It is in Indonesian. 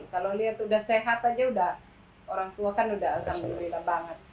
kalau lihat udah sehat aja udah orang tua kan udah alhamdulillah banget